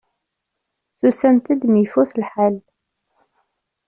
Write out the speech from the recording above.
Tusamt-d mi ifut lḥal.